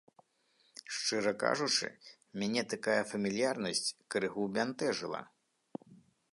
Шчыра кажучы, мяне такая фамільярнасць крыху бянтэжыла.